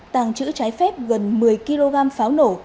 tàng trữ trái phép gần một mươi kg pháo nổ